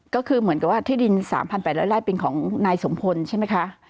ก็คือเหมือนกับว่าที่ดิน๓๘๐๐ไร่เป็นของนายสมพลใช่ไหมคะ